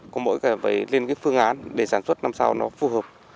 có mỗi người phải lên phương án để sản xuất năm sau nó phù hợp